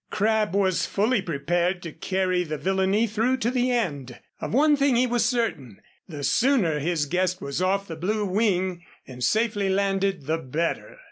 Crabb was fully prepared to carry the villainy through to the end. Of one thing he was certain, the sooner his guest was off the Blue Wing and safely landed the better.